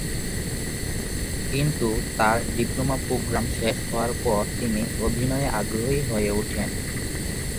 কিন্তু তার diploma programme শেষ হওয়ার পর তিনি অভিনয়ে আগ্রহী হয়ে ওঠেন।